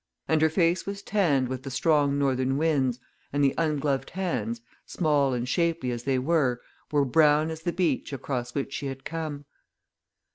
And her face was tanned with the strong northern winds, and the ungloved hands, small and shapely as they were, were brown as the beach across which she had come.